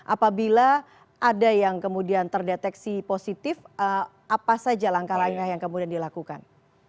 apabila ada yang kemudian terdeteksi positif apa saja langkah langkah yang kemudian dilakukan